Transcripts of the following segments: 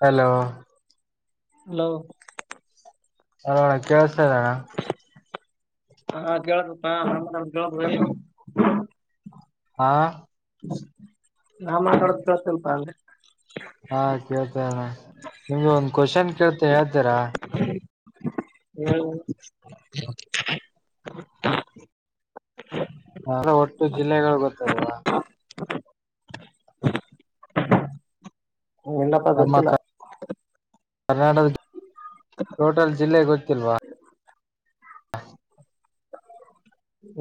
Hello hello ಹಾ ಕೆಲ್ಸತ ಇದೆ ಅಣ್ಣ ಹಾ ಕೇಳುದು ಹಾ ಕೇಳ ಹಾ ನಾ ಮಾತಾಡದ ಗೊತ್ತಿಲ ಪಾ ಹಾ ಕೇಳ್ತೇಣ ನಿಮ್ಗೆ ಒಂದ್ ಕ್ವಶನ್ ಕೇಳ್ತ ಹೇಳ್ತೀರಾ ಹೇಳು ಹ ಒಟ್ಟು ಜಿಲ್ಲೆಗಳು ಗೊತ್ತದವ ಏನಪ್ಪಾ ನಮ್ಮ ಗೊತ್ತಿಲ್ಲ ಕರ್ನಾಟಕದ ಟೋಟಲ್ ಜಿಲ್ಲೆ ಗೊತ್ತಿಲ್ವಾ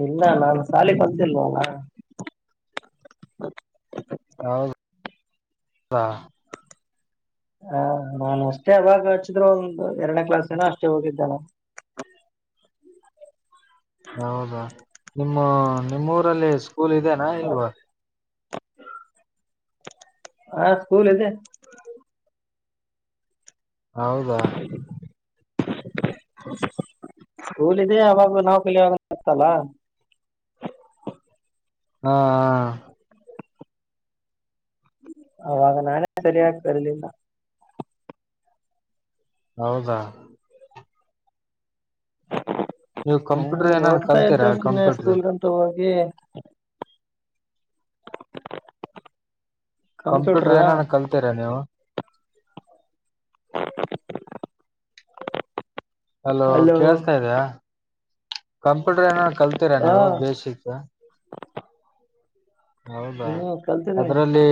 ಇಲ್ಲ ನಾನು ಶಾಲಿ ಕಲಿತಲಿವಾಲ್ ಹೌ ಹೌದಾ [inaudible] ಹ ನಾನ ಅಷ್ಟೇ ಅವಾಗ ಹಚ್ಚಿದ್ರು ಒಂದು ಎರಡನೇ ಕ್ಲಾಸನ ಅಷ್ಟೇ ಹೋಗಿದ್ದೆನೆ [inaudible] ಹೌದಾ ನಿಮ್ಮ ನಿಮ್ಮೂಊರಲ್ಲಿ ಸ್ಕೂಲ್ ಇದೆನಾ ಇಲ್ವಾ ಹಾ ಸ್ಕೂಲ್ ಇದೆ ಹೌದಾ [inaudible] ಸ್ಕೂಲ್ ಇದೆ ಅವಾಗ ನಾವು ಕಲಿಯಾಗತಲ್ಲ ಹಾ ಹಾ ಅವಾಗ ನಾನೇ ಡೈಲಿ ಹಾಕ್ತಾರಾ ಇಲ್ಲಿಂದ ಹೌದಾ ನೀವು ಕಂಪ್ಯೂಟರ್ ಹ್ಮ ಏನಾನ ಹೋಗ್ತಾ ಕಲ್ತೀರಾ ಇದ್ದ ಸುಮ್ಮನೆ ಕಂಪ್ಯೂಟರ್ ಸ್ಕೂಲ್ಗಂತ ಹೋಗ ಹ ಕಂಪ್ಯೂಟರ್ ಏನಾನ ಕಲ್ತೀರಾ ನೀವು [inaudible] ಹಲೋ ಕೇಳಸ್ತಾ ಇದಿಯಾ ಕಂಪ್ಯೂಟರ್ ಏನಾರ ಕಲ್ತೀರಾ ಹ ನೀವು ಬೇಸಿಕ್ ಹೌದಾ ಹ್ಮ್ ಕಲ್ತಿದ್ದೀನಿ ಅದರಲ್ಲಿ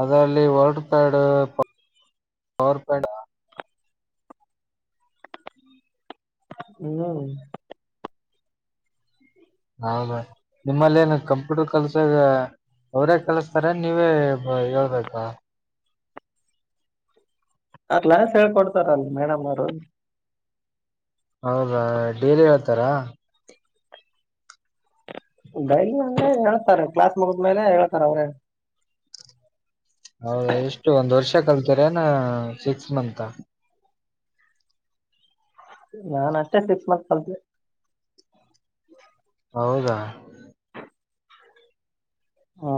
ಅದರಲ್ಲಿ ವರ್ಡ್ ಪ್ಯಾಡ್ ಪವರ್ ಪ್ಯಾಡ್ ಹ್ಮ್ ಹೌದಾ ನಿಮ್ಮಲ್ಲಿ ಏನು ಕಂಪ್ಯೂಟರ್ ಕೆಲಸ ಅದ ಅವರೇ ಕಲಸ್ತಾರೆ ನೀವೇ ಹೇಳ್ಬೇಕಾ ಕ್ಲಾಸ್ ಹೇಳ್ಕೊಡ್ತಾರಲ್ ಮೇಡಮ್ ಅವರು ಹೌದಾ ಡೈಲಿ ಹೇಳ್ತಾರಾ ಡೈಲಿ ಅಂದ್ರೆ ಹೇಳ್ತಾರೆ ಕ್ಲಾಸ್ ಮುಗದ್ಮೇಲೆ ಹೇಳ್ತಾರ ಅವ್ರೇ ಹೌದಾ ಎಷ್ಟು ಒಂದ್ ವರ್ಷ ಕಲ್ತಿರೆನ್ ಸಿಕ್ಸ್ ಮಂತ್ ನಾನ್ ಅಷ್ಟೇ ಸಿಕ್ಸ್ ಮಂತ್ ಕಲ್ತೆ ಹೌದಾ ಹಾ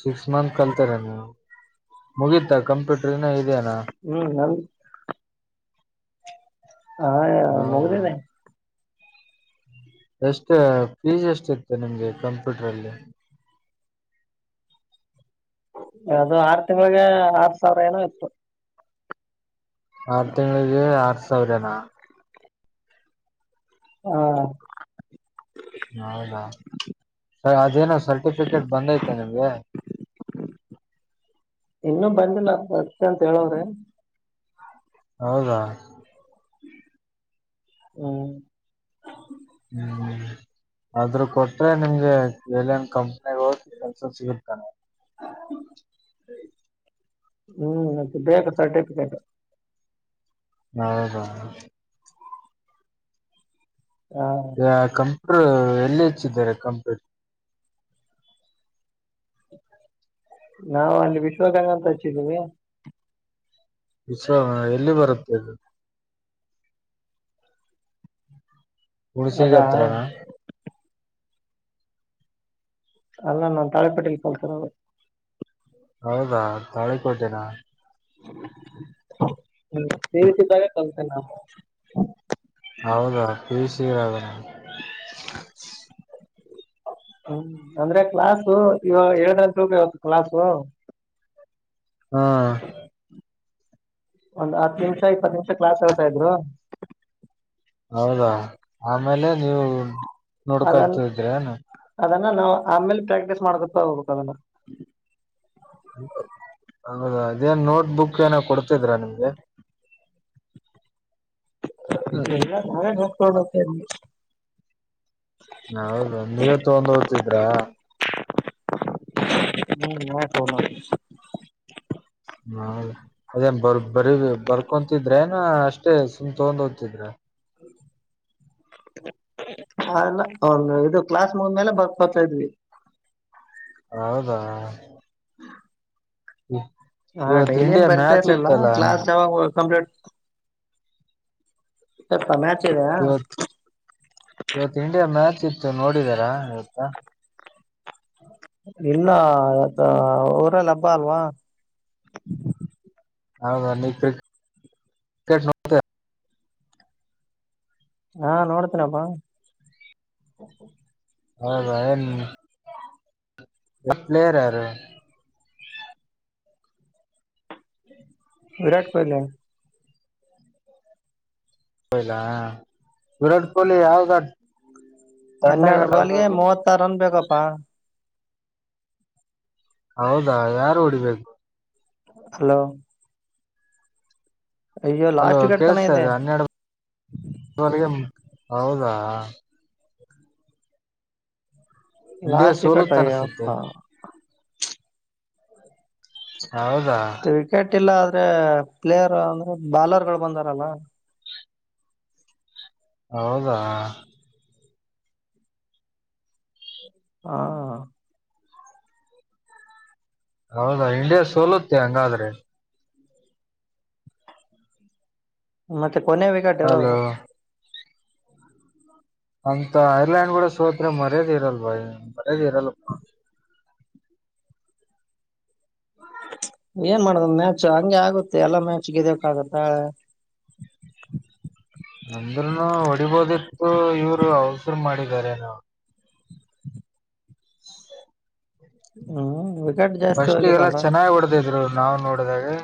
ಸಿಕ್ಸ್ ಮಂತ್ ಕಲ್ತರ ನೀವು ಮುಗಿತಾ ಕಂಪ್ಯೂಟರ್ ಇನಾ ಹ್ಮ್ ನನ್ ಹಾ ಹೌದಾ ಮುಗ್ದಿದೆ ಎಷ್ಟ ಫೀಸ್ ಎಷ್ಟಿ ಇತ್ತು ನಿಮ್ಗೆ ಕಂಪ್ಯೂಟರ್ ಅಲ್ಲಿ ಅದು ಆರ್ ತಿಂಗಳಿಗೆ ಆರ್ ಸಾವಿರ ಏನೋ ಇತ್ತು ಆರ್ ತಿಂಗಳಿಗೆ ಆರ್ ಸಾವಿರನಾ ಹಾ ಹೌದಾ ಸರಿ ಅದೇನ ಸರ್ಟಿಫಿಕೇಟ್ ಬಂದೈತಾ ನಿಮ್ಗೆ ಇನ್ನೂ ಬಂದಿಲ್ಲ ಬರುತ್ತೆ ಅಂತ ಹೇಳವ್ರೆ ಹೌದಾ ಹ್ಮ್ ಹ್ಮ್ ಅದ್ರ ಕೊಟ್ರೆ ನಿಮ್ಗೆ ಏಲಿಯನ್ ಕಂಪನಿಗೆ ಹೋಗಿ ಕೆಲ್ಸ ಸಿಗುತ್ತಾನೆ ಹ್ಮ್ ಮತ್ತೆ ಬೇಕ ಸರ್ಟಿಫಿಕೇಟ್ ಹೌದಾ ಹ ಕಂಪ್ಯೂಟರ್ ಎಲ್ಲಿ ಹೆಚ್ಚಿದ್ದಾರೆ ಕಂಪ್ಯೂಟರ್ ನಾವು ಅಲ್ಲಿ ವಿಶ್ವಗಂಗ ಅಂತ ಹಚ್ಚಿದೀವಿ ವಿಶ್ವ ಎಲ್ಲಿ ಬರುತ್ತೆ ಅಲ್ಲಿ ಹುಣಸಿಗ ಅದಾ ಹತ್ರನಾ ಅಲ್ಲ ನಮ್ಮ ತಾಳಿಕೋಟಿಲ್ಲ ಕಲ್ತಿರೋದು ಹೌದಾ ತಾಳಿಕೋಟೆನ ಸಿಇಟಿದಾಗೆ ಕಲ್ತಿನಾ ಹೌದಾ ಪಿ-ಯು-ಸಿ ಆಗಾನ. ಹ್ಮ ಅಂದ್ರೆ ಕ್ಲಾಸು ಇವಾಗ್ [unintelligible] ಕ್ಲಾಸು ಹಾ ಒಂದ್ ಹತ್ತು ನಿಮಿಷ ಇಪ್ಪತ್ ನಿಮಿಷ ಕ್ಲಾಸ್ ಹೇಳ್ತಾ ಇದ್ರು ಹೌದಾ ಆಮೇಲೆ ನೀವು ಅದನ್ ನೋಡ್ಕತಿದ್ರೇನ ಅದನ್ನ ನಾವು ಆಮೇಲೆ ಪ್ರಾಕ್ಟೀಸ್ ಮಾಡ್ಕೊತ್ತಾ ಹೋಗ್ಬೇಕ ಅದನ್ನ್ ಹೌದಾ ಅದೇನ್ ನೋಟ್ ಬುಕ್ ಏನ ಕೊಡ್ತಿದ್ರಾ ನಿಮ್ಗೆ. [inaudible] ಹ್ಮ್, ಎಲ್ಲ ನಾವೇ ನೋಡ್ಕೋಬೇಕು ಇಲ್ಲಿ. ಹೌದನ ನೀವೇ ತಗೊಂಡ ಓತಿದ್ರಾ. ಹು [unintelligible] ಹಾ ಅದೇನ ಬರ್ಕೊ ಬರಿ ಬರ್ಕೊಂತಿದ್ರೇನ ಅಷ್ಟೇ ಸುಮ್ ತಗೊಂಡ್ ಹೋಗ್ತಿದ್ರ. [inaudible] ಹಾ ಇಲ್ಲ ಕ್ಲಾಸ್ ಮುಗದ ಮ್ಯಾಲ್ ಬರ್ಕೊತಾ ಇದ್ವಿ. ಹೌದಾ ಇ- ಹಾ ಇವತ್ತು ಡೈಲಿ ಏನ್ ಇಂಡಿಯಾ ಬರ್ತಾ ಮ್ಯಾಚ್ ಇರ್ಲಿಲ್ಲ ಇತ್ತಲ್ಲ ಕ್ಲಾಸ್ ಯಾವಾಗ ಕಂಪ್ಲೀಟ್ [unintelligible] ಇವತ್ ಇವತ್ ಇಂಡಿಯಾ ಮ್ಯಾಚ್ ಇತ್ತು ನೋಡಿದಾರಾ ಇವತ್ತ. ಇನ್ನ ಅದ್ ಅವ್ರಲಪಾ [unintelligible] ಹೌದ ನೀ ಕ್ರಿಕೆಟ್ ನೋಡ್ತೀಯ ಹಾ ನೋಡ್ತಿನಪ್ಪಾ ಹೌದಾ ಏನ್ ಪ್ಲೇಯರ್ ಯಾರು. ವಿರಾಟ್ ಕೊಹ್ಲಿ. [unintelligible] ವಿರಾಟ್ ಕೊಹ್ಲಿ ಯಾವಾಗ ಹನ್ನೆರಡ ಬಾಲ್ಗೆ ಮೂವತ್ತಾರು ರನ್ ಬೇಕಪ್ಪಾ. ಹೌದಾ ಯಾರು ಓಡಿಬೇಕು. ಹಲೋ ಅಯ್ಯೋ ಅಲೋ ಲಾಸ್ಟ್ ವಿಕೆಟ್ ತನ ಕೇಳಸ್ತಾ ಇದೆ ಹನ್ನೆರಡುವರೆಗೆ ಹೌದಾ. ಇಂಡಿಯಾ ಲಾಸ್ಟ್ ವಿಕೆಟ್ ಸೋಲತ್ ಅಯ್ಯಪ್ಪ ಅನ್ಸುತ್ತೆ. ಹೌದಾ ವಿಕೆಟ್ ಇಲ್ಲ ಆದ್ರೆ ಪ್ಲೇಯರ್ ಅಂದ್ರೆ ಬಾಲರ್ಗಳು ಬಂದಾರಲ್ಲ ಹೌದಾ ಹಾ ಹೌದಾ ಇಂಡಿಯಾ ಸೋಲುತ್ತೆ ಹಂಗಾದ್ರೆ. ಮತ್ತೆ ಕೊನೆಯ ವಿಕೆಟ್ ಇರೋದು. ಅಲೋ ಅಂತ ಐರ್ಲೆಯಂಡ್ಗುಡ ಸೋತ್ ಮರ್ಯಾದೆ ಇರಲ್ ಬ ಮರ್ಯಾದೆ ಇರಲ್ಲಪಾ. ಏನ್ ಮಾಡುದ ಮ್ಯಾಚ್ ಹಂಗೆ ಆಗುತ್ತೆ ಎಲ್ಲಾ ಮ್ಯಾಚ್ ಗೆದಕ್ ಆಗತ್ತಾ. [inaudible] ಅಂದ್ರೂನು ಹೊಡಿಬೋದಿತ್ತು ಇವ್ರು ಅವಸರು ಮಾಡಿದಿದ್ದಾರೆ ಏನೋ. ಹ್ಮ್ ವಿಕೆಟ್ ಜಾಸ್ತಿ ಫರ್ಸ್ಟ್ಗೆಲ್ಲ ಹೋಗಿದಲ್ಲ ಚೆನ್ನಾಗಿ ಹೊಡೆದಿರು ಅವ್ರು. ನಾವ್ ನೋಡಿದಾಗ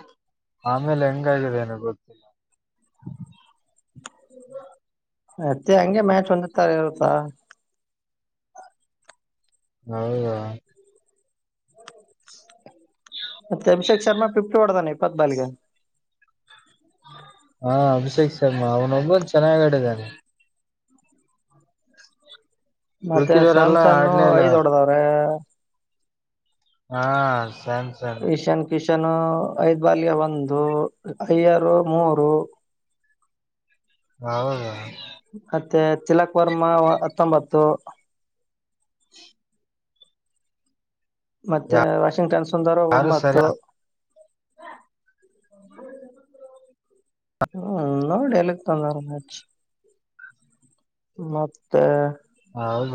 ಆಮೇಲೆ ಹೆಂಗಾಗಿದೆ ಏನೋ ಗೊತ್ತಿಲ್ಲ. [inaudible] ಮತ್ತೆ ಹಂಗೆ ಮ್ಯಾಚ್ ಒಂದತ್ತರ ಇರುತ್ತ. ಹೌದಾ ತಮ್ಮ ಶೇ ಶರ್ಮ ಫಿಫ್ಟಿ ಒಡದಾನ ಇಪ್ಪತ್ ಬಾಲ್ಗೆ. ಹಾ ಅಭಿಷೇಕ್ ಶರ್ಮಾ ಅವನೊಬ್ಬನ್ ಚೆನ್ನಾಗ ಆಡಿದ್ದಾನೆ. ಮತ್ತೆ ಉಳ್ಕಿದಾರೆಲ್ಲ ಸ್ಯಾಮ್ಸನ್ ಆಡ್ಲೇ ಇಲ್ಲ ಐದ್ ಹೊಡದಾವ್ರೆ. ಹಾ ಸನ್ ಸನ್. ಚನು ಐದ್ ಬಾಲ್ಗೆ ಒಂದು ಯಾರು ಮೂರು ಹೌದಾ ಮತ್ತೆ ತಿಲಕ್ ವರ್ಮಾ ಹತ್ತೊಂಬತ್ತು ಮತ್ತೆ ವಾಷಿಂಗ್ಟನ್ ಸುಂದರ ಯಾರು ಒಂಬತ್ತು ಸರಿ ಹ ಹ್ಮ ನೋಡಿ ಎಕ್ ತಂದಾರಚ್ ಮತ್ತೆ ಹೌದ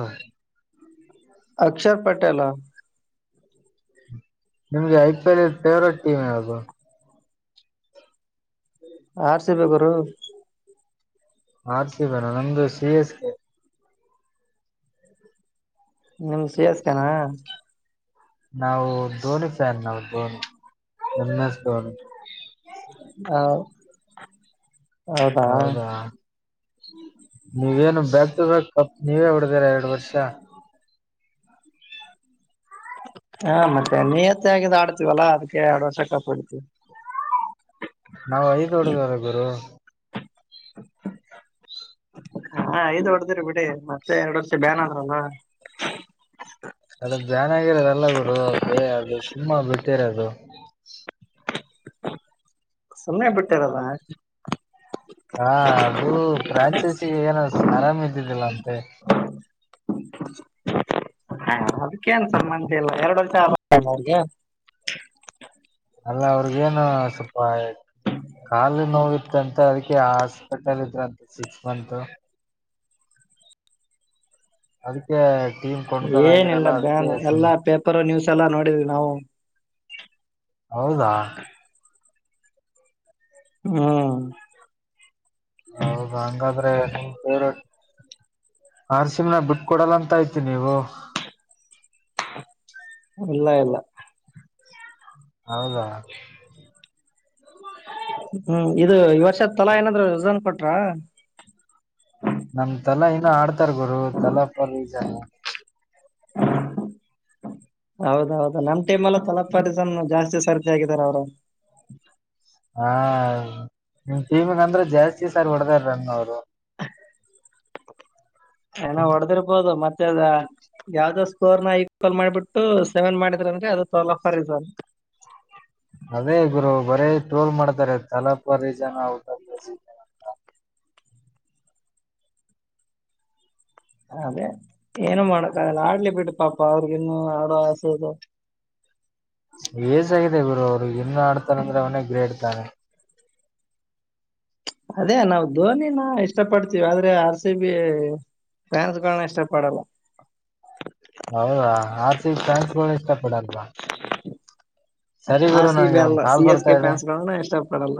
ಅಕ್ಷರ ಪಟೇಲ ನಿಮ್ಗೆ ಐ ಪಿ ಎಲ್ ಇ ಫೇವ್ರೇಟ್ ಟೀಮ್ ಯಾವುದು ಆರ್ ಸೇ ಬರು ಆರ್ ಸಿ ಬೇರ ನಮ್ದು ಸಿ ಎಸ್ ಕೆ ನಿಮ್ದ ಶ್ರೇಯಾಸ್ಕಾನ ನಾವು ಧೋನಿ ಫ್ಯಾನ್ ನಾವು ಧೋನಿ ಎಂ ಎಸ್ ಧೋನಿ ಹ ಹೌದಾ ನೀವೇನು ಬ್ಯಾಕ್ ಟು ಬ್ಯಾಕ್ ಕ ನೀವೇ ಹೊಡ್ದರ ಬ ವರ್ಷಾ ಹಾ ಮತ್ತೆ ನಿಯತ್ತ ಆಗಿದ್ದ ಆಡ್ತೀವಲ್ಲಾ ಅದಕ್ಕೆ ಎರಡು ವರ್ಷ ಕಪ ಇಡ್ತಿೀವಿ ನಾವ್ ಐದ್ ಹೊಡದವರ ಗುರು ಹಾ ಐದು್ ಹೊಡದಿರಿ ಬಿಡಿ ಮತ್ತೆ ಎರಡ್ ವರ್ಷ ಬ್ಯಾನ್ ಅಂದ್ರಲ್ವಾ ಸ್ಲ್ಪ ಜಾನಾಗಿರೋದಲ್ಲ ಗುರು ಅೇ ಅದು ಸುಮ್ಮ ಬಿಟ್ಟಿರದು ಸುಮ್ಮನೆ ಬಿಟ್ಟಾರಲ್ಲ ಹಾ ಅದು ಫ್ರಾಂಚೈಸಿಗೆ ಏನ ಆರಾಮ ಇದ್ದಿದ್ದಿಲ್ಲ ಅಂತೆ ಹಾ ಅದಕ್ಕೇನ್ಸ ಮಂ ಇಲ್ಲ ಎರಡು ವರ್ಷ ಅಲ್ಲ ಅವ್ರಿಗೇನು ಸ್ವಲ್ಪ ಕಾಲು ನೋವಿಿತ್ತ ಅಂತ ಅದಕ್ಕೆ ಆಸ್ಪೆಟಲ್ ಂತ ಸಕ್ಸ್ ಮಂತ್ ಅದಕ್ಕೆ ಟೀಮ್ ಏನಿಲ್ಲ ಕೊಂಡ್ಕದಾಗಿರಲ್ಲ ಅದಕ್ಕೆ ಬ್ಯಾನ್ ಎಲ್ಲಾ ಪೇಪರ್ ನ್ಯೂಸ್ ಎಲ್ಲಾ ನೋಡಿದ್ವಿ ನಾವು ಹೌದಾ ಹ್ಮ ಹೌದು ಹಂಗಾದ್ರೆ ನಿಮ ೇವ್ರಟ್ ಆರ್ಸಿಮನ ಬಿಟ್ಟ ಕೊಡಲ್ಲ ಅಂತ ಐ್ತಿ ನೀವು ಇಲ್ಲ ಇಲ್ಲ ಹೌದಾ ಹ್ಮ್ ಇದು ಈ ವರ್ಷದ ತಲಾ ಏನಾದ್ರುಝನ್ ಕೊಟ್ರ ನಮ್ ತಲಾ ಇನ್ನು ಆಡ್ತಾರ್ ಗುರು ತಲಾ ಪ ಈಜ ಹೌದೌದು ನಮ್ ಟೈಮ್ ಎಲ್ಲ ತಲಪಿಸನ್ ಜಾಸ್ತಿ ಸರ್ಜ ಆಗಾರ ಅವರು ಹಾ ಟೀಮಂಗ ಅಂದ್ರೆ ಜಾಸ್ತಿ ಸರ್ ಹೊಡದಾರ ರನ್ ಅವರು ಏನೋ ಹೊಡೆದಿರ್ಬೋದು ಮತ್ತೆ ಅ ಯಾವ್ದೋ ಸ್ಕೋರ್ ನ ಈಕ್ವಲ್ ಮಾಡ್ಬಿಟ್ಟು ಸೆವೆನ್ ಮಾಡಿದ್ರ ಅದು ತೊಲಫರ್ ಅದೇ ಗುರು ಬರೇ ಟ್ರೋಲ್ ಮಾಡ್ತಾರೆ ತಲಾಬ ಜನ ಊಟ್ನ ಹಾ ಅದೇ ಏನು ಮಾಡಕ್ಕಾಗಲ್ಲ ಆಡ್ಲಿ ಬಿಟ್ಟು ಪಾಪ ಅವ್ರಿಗಿನ್ನು ಆಡೋ ಆಸೆದು ಏಜ ಆಾಗಿದೆ ಗುರು ಅವ್ರು ಇನ್ನು ಆಡ್ತಾರಂದ್ರೆ ಅವನೇ ಗ್ರೇಡ್ತಾನೆ ಅದೇ ನಾವವು ಧೋನಿನ ಇಷ್ಟ ಪಡ್ತೀವಿ ಆದ್ರೆ ಆರ್ ಸಿ ಬಿ ಫ್ಯಾನ್ಸ್ಗಳನ್ನ ಇಷ್ಟ ಪಡಲ್ಲ ಹೌದಾ ಆರ್ತಿ ಾನ್ಸ್ಗಳು ಇಷ್ಟಪಡಲ್ವಾ ಹ ಸಿಬ ಅಲ್ಲ ಸಿ ಕಾಲ್ ಎಸ್ ಬರ್ತಾ ಕೆ ಇದೆ ಪ್ಯಾನ್ಸ್ಗಳ ಇಷ್ಟಪಡಲ್ಲ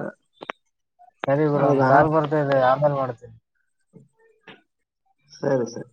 ಸರಿ ಗುರು ಒಂದ ಹೌದಾ ಕಾಲ್ ಬರ್ತಾ ಇದೆ ಆಮೇಲೆ ಮಾಡ್ತೇನಿ ಸರಿ ಸರಿ